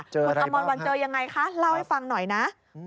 เจออะไรบ้างคะคุณอมอนวันเจอยังไงคะเล่าให้ฟังหน่อยนะ